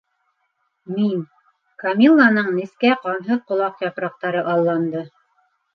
Мин, - Камилланың нескә, ҡанһыҙ ҡолаҡ япраҡтары алланды.